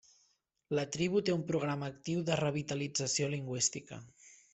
La tribu té un programa actiu de revitalització lingüística.